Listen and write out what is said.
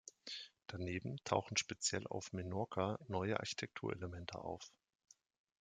Daneben tauchen speziell auf Menorca neue Architekturelemente auf.